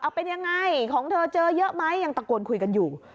เป็นยังไงของเธอเจอเยอะไหมยังตะโกนคุยกันอยู่